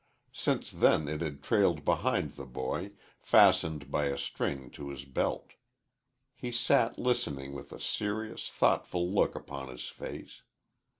Since then it had trailed behind the boy, fastened by a string to his belt. He sat listening with a serious, thoughtful look upon his face.